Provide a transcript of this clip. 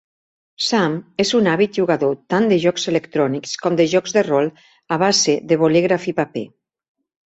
Sam és un àvid jugador tant de jocs electrònics com de jocs de rol a base de bolígraf i paper.